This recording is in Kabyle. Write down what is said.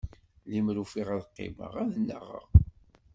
Limer ufiɣ ad qqimeɣ ad nnaɣeɣ.